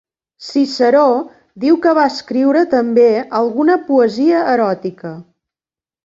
Ciceró diu que va escriure també alguna poesia eròtica.